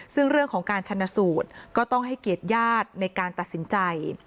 ซึ่งเรื่องของการชนะสูตรก็ต้องให้เกียรติญาติในการตัดสินใจ